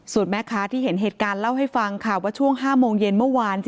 ส่วนแม่ค้าที่เห็นเหตุการณ์เล่าให้ฟังค่ะว่าช่วง๕โมงเย็นเมื่อวาน